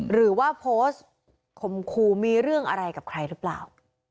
หรือว่าโพสต์ข่มครูมีเรื่องอะไรกับใครหรือเปล่า